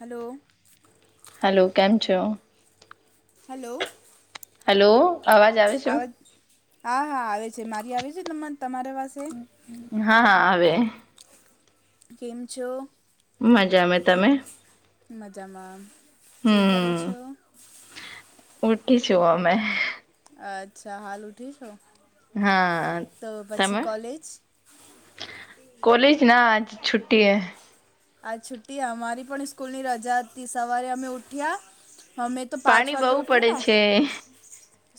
Hello hello કેમ છો. Hello. Hello અવાજ આવે છે. હા-હા આવે છે, મારી આવે છે, નમન તમારે પાસે હા-હા આવે કેમ છો. મજા માં તમે મજામાં શું કરો છો. ઉઠિ છુ અમે અચ્છા હાલ ઉઠી છો. હા તો પછી તમે કોલેજ કોલેજ ના આજ છુટી હૈ આ છુટ્ટી અમારી પણ સ્કૂલ ની રજા હતી સવારે અમે ઉઠ્યા અમે તો પાંચ પાણી વાગે બહુ ઉઠો પડે ને છે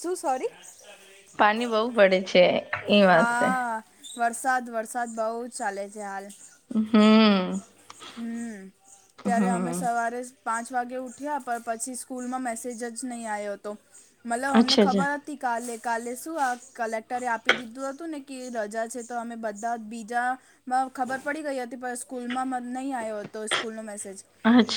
શું સોરી પાણી બહુ પડે છે, એ વાસ્તે હા વરસાદ વરસાદ બઉુ જ ચાલે છે, હાલ હમ્મ હમ્મ. ત્યારે અમે સવારે પાંચ વાગે ઉઠ્યા પણ પછી સ્કૂલમાં મેસેજ જ નહીં આવ્યો હતો. મતલબ હમને અચ્છા અચ્છા ખબર આવતી કાલે કાલે શું આ કલેક્ટરે આપી દીધું હતું ને કે રજા છે, તો અમે બધા બીજા ખબર પડી ગઈ હતી સ્કૂલમાં નહીં આવ્યો હતો સ્કૂલ ન મેસેજ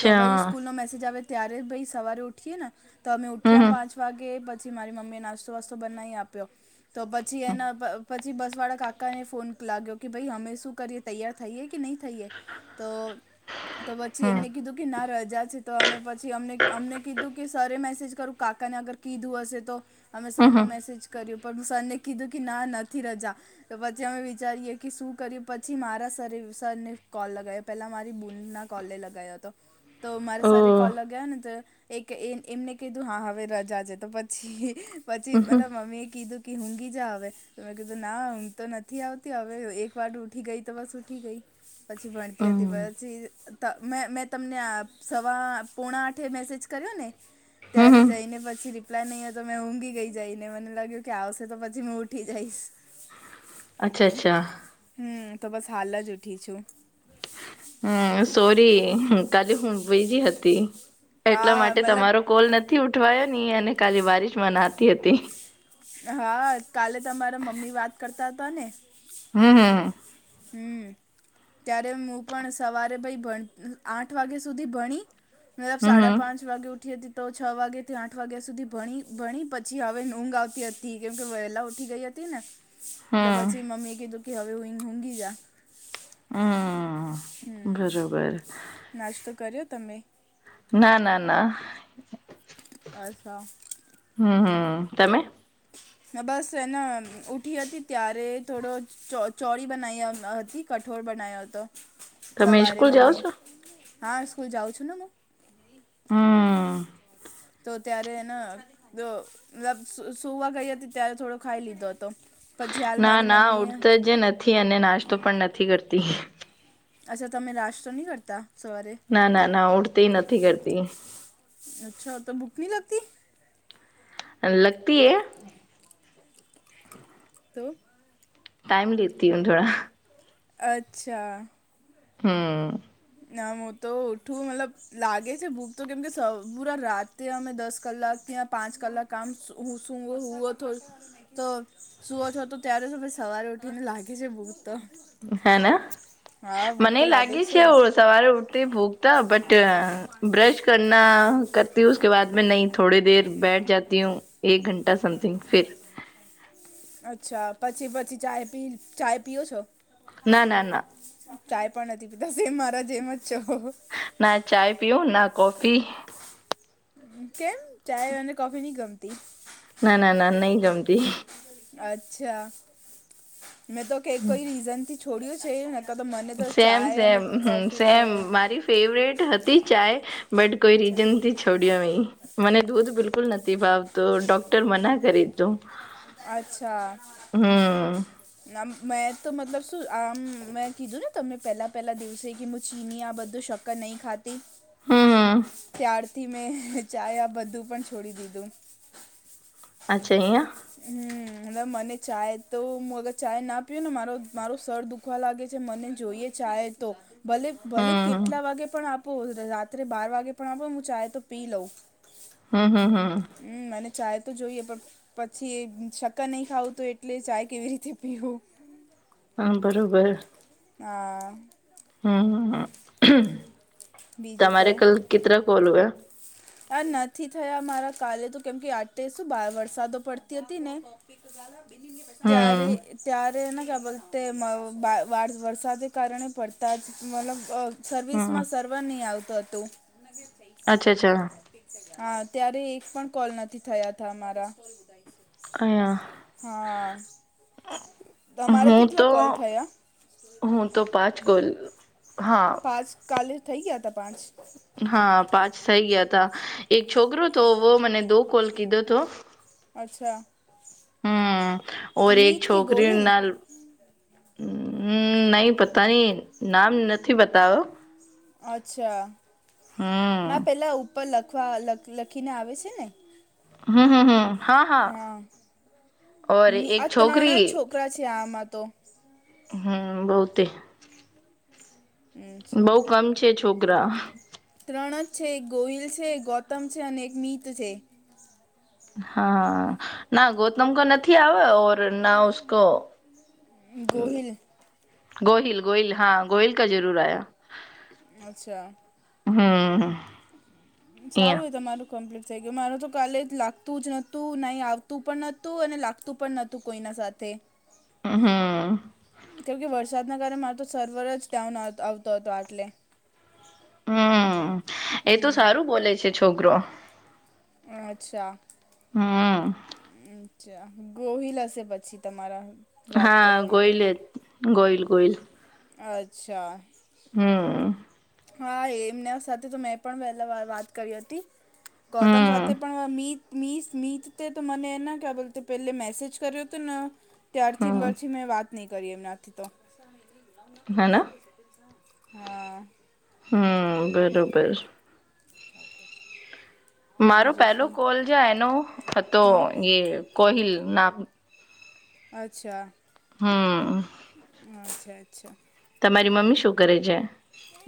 તો ભાઈ સ્કૂલ નો મેસેજ આવે ત્યારે ભાઈ સવારે ઉઠીએ ને તો અમે ઉઠી હમ પાંચ વાગે પછ મારી મમ્મી નાસ્તો વાસ્તો બનાવી આપ્યો તો પછી હમ હમ એના પછી બસ વાળા કાકાને ફોન લાગ્યો કે ભાઈ અમે શું કરીએ તૈયાર થઈએ કે નહી થઈએ. તો તો પછી એમને કીધું કે ના રજા છે, તો અમે પછી અ અમને કીધું કે સરરે મેસેજ કરું કાકાને અગર કીધું હશે તો. અમે હમ સરને હમ મેસેજ કર્યું પણ સરને કીધું કે ના નથી રજા. તો પછી અમે વિચારીએ કે શું કર્યું પછી મારા સર સરને કોલ લગાવ પેલા મારી બૂનના કોલે લગાવો હતો તો મારે સ ઓ કોલ લગાવયા ને તો એક એ એમને કીધું હા હવે રજા છે, તો પછી પછી હમ હમ મતલબ મમ્મીએ કીધું કે હુંઘી જા હવે. ત મેં કીધું ના હમ તો નથી આવતી હવે એક વાર ઉઠી ગઈ તો બસ ઉઠી ગઈ પછી ભણતી તી હતી પછી મે મેં તમને સવા પોણા આઠે મેસેજ કર્યો ને. હમ ત્યારે હમ જઈ ને પછી રિપ્લાય નહીંય હતો મેં ઊંઘી ગઈ જઈને મને લાગ્યું કે આવશે તો પછી મેં ઉઠી જયિસ. અચ્છા-અચ્છા. હમ્મ તો બસ હાલ જ ઉઠી છું. હમ સોરી કા હું બીજી હતી એટલા હા માટે મતલબ તમારો કોલ નથી થી ઉઠવાયો નહી અને કાલી બારીશ માં નાતી હતી. હા કાલે તમારા મમ્મી વાત કરતા હતા ને. હમ્મ હમ્મ. હમ્મ. ત્યારે હું પણ સવારે ભાઇ આઠ વાગ્યા સુધી ભણી મબ સાડા પાંચ હમ પાંચ વાગે ઉઠી હતી તો છ વાગે થી આઠ વાગ્યા સુધી ભણી-ભણી પછી હવે ઊંઘ આવતી હતી. થી કેમ કે વહેલા ઉઠી ગઈ હતી ને તો હમ પછી મમ્મી એ કીધું કે હવે હું ઊઘી જા હમ. હમ્મ. [unintelligible] નાસ્તો કર્યો તમે? ના ના ના આછા. હમ્મ તમે બસ એને ઉઠી હતી ત્યારે થોડો ચ ચોડી બનાવી હતી. કઠોળ બનાવયો હતો તમે સવારે સ્કૂલ જાઓ મમ્મીએ છો હા સ્કૂલ જાઉં છુ, ને મેં. હમ્મ. તો ત્યારેને સુવા ગઈ, હતી ત્યારે થોડો ખાઈ લીધો હતો. પછી હાલ ના મારી ના મમ્મીએ ઉડતો જ નથી અને નાસ્તો પણ નથી, કરતી. અચ્છા તમે લશ તો નહી કરતા સવારે? ના ના ના ઉડતી નથી, કરતી. અચ્છા તો બુક ન લગતી અને લગતી એ તો. ટાઈમ લેતી થોડા અચ્છા હમ્મ. નામું તો ઉઠું મતલબ લાગે છે ભૂખ તો કેમ કે પૂરા રાતે અમે દસ કલાક ્યા પાંચ કલાક કામ હુંસું હો થ તો સુઓ છો તો ત્યારે તોી સવારે ઉઠીને લાગે છે બૂક તો હેને હા ભૂખ મને તો એ લાગે છે. સવારે ઉઠતી ભૂખતા બટ બ્રશ કરના કરતીકે બાદ મે નહી. થોડી દર બેઠ જતી હું એક ઘંન્ટટા સમથિંગ ફર અચ્છા પછી પછી ચાય પી ચાય પીયો છો? ના ના ના કાય પણ નથી પિતા મારા જેમ જ ચ ના ચાય પિું ના કોફી કેમ ચાય અને કોફી નહ ગમતી ના ના ના નહી, ગમતી અચ્છા મેં તો કક કોઈ રીઝન થી છોડ્યું છે. તો તો મને તો સેમ ચાય અને સેમ કોફી તો સેમ મારી ફેવરેટ હતી ચાય બટ કોઈ અચ્છા રીજન છોડ્યો મને દૂધ બિલકુલ નથી ભાવ તો ડોક્ટર મના કરી તું હમ મ મેં તો મતલબ શું આમ મેં કીધું ને તમને પેલા પહેલા દિવસે કેું ચીની આ બધો શક નહી ખાતી હમ હમ કળથી મેં ચા આ બધું પણ છોડી દીધુ. અચ્છા અહીંયા હમ એ મને ચાય તો હું અગર ચાય ના પીયો ને મારો મારો સરર દુખવા લાગે છે મને જોઈએ. ચહે તો ભલે ભલે હમ કેટલા વાગે પણ આપ પો રાત્રે બાર વાગે પણ આપો હું ચાહે તો પી લઉં હમ હમ હમ હ મને ચાાય તો જોઈએ પણ. પછી શક્ક નહી, ખાવું તો એટલે ચાય કેવી રીતે પીવુ હા બરોબર. હા. હમ બીજું તમારે કહું કલ કતરા કોલ હયા. આ નથી થયા મારા કાલે તો કેમ કે આ શું વરસાદો પડતી હતી ને ત્યારે હમ તાર ક્યા બોલ વરસાદ કારણે પડતા જ મતલબ. સર્વિસ હમ માં સર્વર નહી આવતો હતો. અચ્છા અચ્છા. હા ત્યારે એક પણ કોલ નથી થયા ત મારા. અયા હા તમારે હું કેટલા તો કોલ થયા? હું તો પાંચ ગોલ હા. આ કાલે થઈ ગયા ત પાંચ. હા પાંચ થઈ ગયા ત એક છોકરો તોો મને દો કોલ કીધો હતો. અચ્છા. હમ ઓર એક મીત કે છોકરી ગોહિલ ના નહીં પોતાની નામ નથી બતાવ્યો અચ્છા હમ મે પહેલાં ઉપર લખવા લખીને આવે છે ને. હમ હમ હમ હા હા હા એક છોકરી કોકરા છે આમાં તો. હમ બહતે. અચ્છા બઉ કમ છે, છોકરા ત્રણ જ છે એક ગોહિલ છે ગૌતમ છે અને એક મિત છે. હા ના ગૌતમ કો નથી આવે બનાઉસ્કોકો ગોહિલ ગોહિલ ગોહિલ હા ગોહિલ કા જરૂર આયા. અચ્છા હમ્મ સારું હોય તમારું કમ્પ્લીટ કે માર તો કાલે લાગતું જ નતું નહી આવતું પણ નહતું અને લાગતું પણ નતું કોઈના સાથે હમ્મ કેમ કે વરસાદના કારણે મારો તો સર્વર જ ડાઉન આવતો હતો આટલે હમ એ તો હમ સારું બોલે છે, છોકરો અચ્છા હમ્મ ચ્ ગોહી લ હશે પછી તમારા વાત હા કરવા માટે ગોયલ ગોયલ ગોઈલ અચ્છા હમ્મ હા એમના સાથે તો મેં પણ પહેલાં વાર વાત કરી હતી ગૌતમ હમ સાથે પણ મી મી મી તે તો મને એના ક બો પેલે મેસેજ કર્યો તો હમ ત્યારથીબરથી મેં વાત નહીં કરી એમનાથી તો હેના હા હમ બરોબર મારો બીજું પેલો તો કોલ છે, એનો હતો હા કોહિલ નામ અચ્છા હમ્મ અચ્છા અચ્છા તમારી મમ્મી શું કરે છે.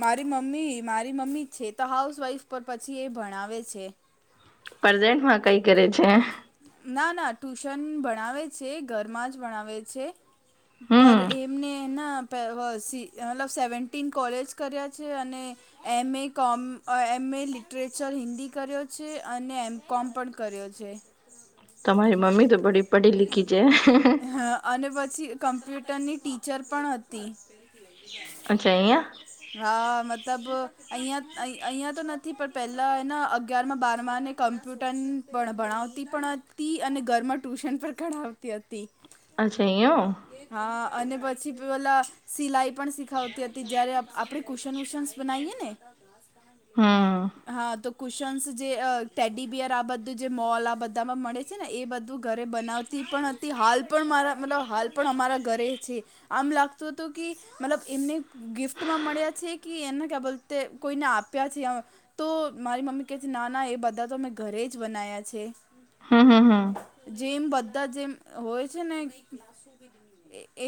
મારી મમ્મી મારી મમ્મી છે, તો હાઉસ વાઈફ પર પછી એ ભણાવે છે. પ્રેઝન્ટમાં કઈ કરે છે. ના ના ટુશન ભણાવે છે, ઘરમાં જ ભણાવે છે. પર હમ એમને એના મતલબ સેવન્ટીન કોલેજ કર્યા છે, અને એમ એ કોમ એમ એ લિટરેચર હિન્દી કર્યો છે અને એમ કોમ પણ કર્યો છે. હા તમારી મમ્મી તો બડી પઢી લખી છે. હા અને પછી કમ્પ્યુટરની ટીચર પણ હતી. અચછા એયા હા મતલબ અહિયાં અહિયાયા તો નથી પણ પેલાના અગિયારમાં બારમા કમ્પ્યુટર પણ ભણાવતી પણ હતી અને ઘરમાં ટ્યૂશન પણ કઢાવતી હતી. અચ્છા ઓ હા અને પછી પેલા સિલાઈ પણ શીખાવતી હતી જયારે આપણે કુશન વુશનસ બનાઈએ ને હા હા તો કુશન્સ જે ટેડીબિયર આ બધું જે મોલ આ બધામાં મળે છે ને એ બધું ઘરે બનાવતી પણ હતી હાલ પણ મારા મતલબ હાલ પણ અમારા ઘરે છે. આમ લાગતો હતો કે મતલબ એમને ગિફ્ટમાં મળ્યા છે કે એને ક્યા બોલ કોઈને આપ્યા છે. તો મારી મમ્મી કહે છે ના ના એ બધા તો મેં ઘરે જ બના્યા છે. હા હા હા જેમ બધા જેમ હોય છે ને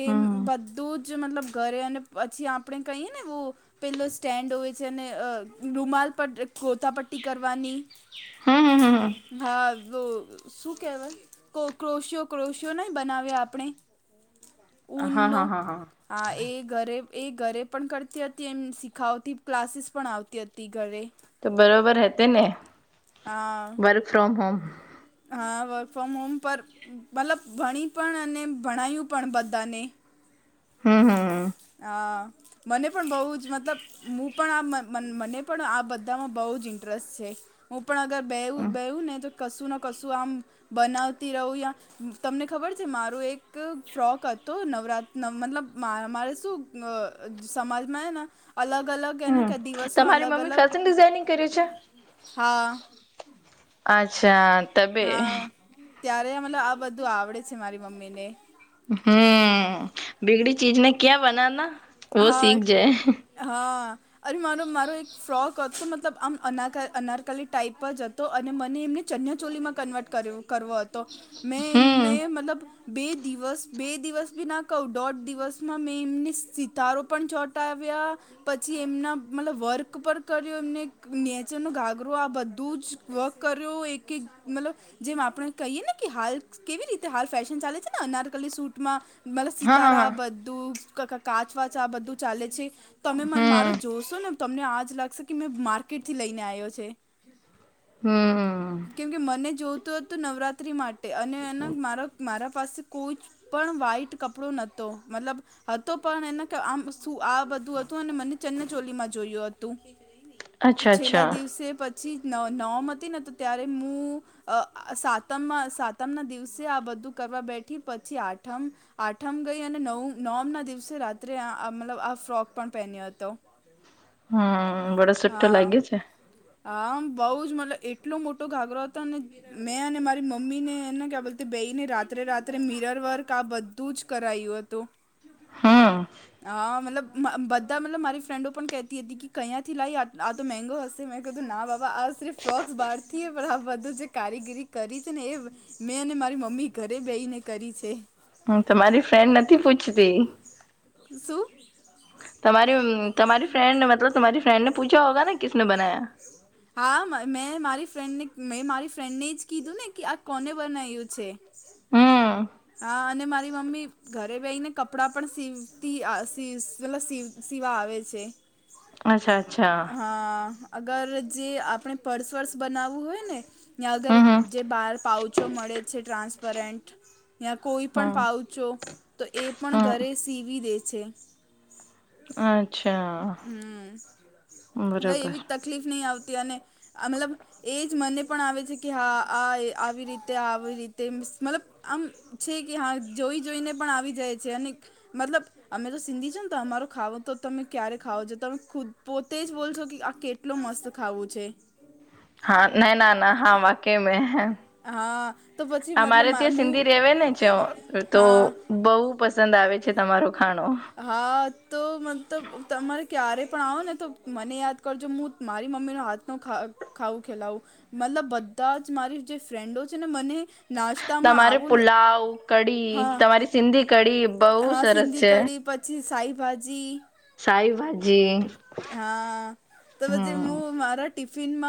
એમ હમ બધું જ જે મતલબ ઘરે અને પછી આપણે કહીએ ને એવું. પેલો સ્ટેન્ડ હોય છે અને રૂમાલ ગોતા પટ્ટી કરવાની. હમ હમ હમ હા. શું કેહેવાય ક્રોશિયો ક્રોશિયો ન બનાવે આપણે. હા ન. હા હા હા એ ઘરે એ ઘરે પણ કરતી હતી એમ શીખાવતી ક્લાસીસ પણ આવતી હતી ઘરે. તો બરોબર હતે ને. હા. વર્ક ફ્રોમ હોમ, હા વર્ક ફ્રોમ હોમ પર મતલબ ભણી પણ અને ભણાયું પણ બધાને હમ હમ. હ મને પણ બહુ જ મતલબ હું પણ આ મને પણ આ બધામાં બહુ જ ઇન્ટરેસ્ટ છે. હું પણ અગર બે બેવું ને તો કશું કશું આમ બનાવતી રહું યા તમને ખબર છે મારો એક ફ્રોક હતો નવરાત્ર મતલબ મારે શું સમાજમાં ને અલગ અલગ એને હમ કે દિવસનો તમારી અલગ મમ્મી અલગ ફેશન ડિઝાઇનિંગ કરે છે હા અચ્છા. તબે હા ત્યારે મલ આ બધું આવડે છે મારી મમ્મી ને. હમ બિગડી ચીજને ક્યા બનાના વ હા સીખ જાય. હા અરે મારો મારો એક ફ્રોક હતો મતલબ આમ અના અનારકાલી ટાઈપ જ હતો. તો અને મને એમને ચન્યા ચોલીમાં કન્વર્ટ કર્યો કરવો હતો. તો મેં એમને હમ મતલબ બે દિવસ બે દિવસ ભી ના કહું દોઢ દિવસ માં મેં એમને સિતારો પણ ચોંટાવ્યા. પછી એમના મતલબ વર્ક પર કર્યો એમને નેચે ન ગાગરો આ બધું જ વર્ક કર્યો એક એક મતલબ જેમ આપણે કહીયએ ને કે હાલ કેવી રીતે હાલ ફેશન ચાલે છે ને અનારકલી સૂટમાં મલ હા હા સિતારા બધું કાચ વાચ આ બધું ચાલે છે. તમે હા મને હમ મારો જોશો ને તમને આજ લાગશે કે મેં માર્કેટ થી લઈને આવ્યો છે. હમ. કેમ કે મને જોતું હતું નવરાત્રિ માટે અને એના મારા મારા પાસે કોઈ જ પણ વ્હાઈટ કપડો નહોતો મતલબ. હતો પણ એને આમ શું આ બધું હતું અને મને ચનચોલીમાં જોયું હતું. તો અચ્છા છેલ્લા અચ્છા દિવસે પછી નોમ હતી ને તો ત્યારે હું અ સાતમમાં સાતમ ના દિવસે આ બધું કરવા બેઠી પછી આઠમ આઠમ ગઈ અને નવ નવમ ના દિવસે રાત્રે મતલબ આ ફ્રોક પણ પહેન્યો હતો. હમ બડા સોટ લાગી છે. આા બઉ જ મતલબ એટલો મોટો ગાગરો હતો ને. મેં અને મારી મમ્મી ને એને ક્યા બોલતી બે ને રાત્રે રાત્રે મિરર વર્ક આ બધ તું જ કરાયું હતું. હા. હા મતલબ બધા મતલબ મારી ફ્રેન્ડો પણ કેહેતી હતી કે કયાયા થી લાઈ આ તો મેગો હશે. મેં કીધું ના બાબા આ સિફ ફ્રોક્સ બહારથીએ પણ આ બધું જે કારીગીરી કરી છે ને એ. મેં અને મારી મમ્મી ઘરે બેહીને કરી છે. હમ તમારી ફ્રેન્ડ નથી પૂછતી. સુું. તમારી તમારી ફ્રેડને મતલબ તમારી ફ્રેડને પૂછા હોગા ને કસને બનાયા. હા મેં મારી ફ્રેન્ડને મેં મારી ફ્રેન્ડને જ કીધું ને કે આ કોને બનાવ્યું છે. હમ હા અને મારી મમ્મી. ઘરે બેહીને કપડાં પણ સીવતી આ મતલબ સીવા આવે છે. અચ્છા અચ્છા હા અગર જે આપણે પર્સ વર્સ બનાવવું હોય ને યાં અગર હમ હમ જે બહાર પાઉચો મળે છે ટ્રાન્સપરન્ટ યાં કોઈ પણ હમ પાઉચ છો તો એ પણ ઘરે હમ સીવી દે છે. અચ્છા. હમ્મ એટલે બરોબર એવી તકલીફ નહી આવતી અને અ મતલબ એજ મને પણ આવે છે કે હા આ આવી રીતે આવી રીતે મતલબ આમ છે કે હા જોઈ જોઈને પણ આવી જાય છે અને મતલબ અમે તો સિંધી છે ને તો અમારો ખાવો તો તમે ક્યારે ખાવો છો તમે ખુદ પોતે જ બોલશો કે આ કેટલો મસ્ત ખાવું છે. હા ના ના ના હા વા કેમે હા તો પછી આ મારે મતલબ ત્યાં હું સિંધી રેવે ને છે તો હા બહુ પસંદ આવે છે તમારો ખાણો. હા તો મતલબ તમારે ક્યારેય પણ આવો ને તો મને યાદ કરજો હું મારી મમ્મીનો હાથ નુ ખાઉ ખાઉ ચલાઉ મતલબ બધા જ મારી જે ફ્રેન્ડો છે ને મને નાસ તમારે પુલાવ કડી હા તમારી સિંધી કડી બહુ સરસ છે. જી સાઈભાજી સાઈભાજી હા તો પછી હું મારા ટિફિનમાં